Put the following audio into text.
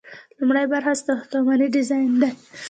لومړی برخه ساختماني ډیزاین دی.